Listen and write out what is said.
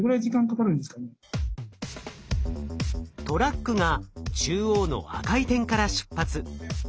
トラックが中央の赤い点から出発。